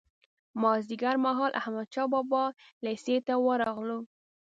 مازیګر مهال احمدشاه بابا لېسې ته ورغلو.